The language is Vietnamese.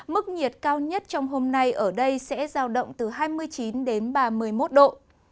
mức nhiệt cao nhất trong hôm nay ở đây sẽ giao động từ hai mươi chín đến ba mươi một độ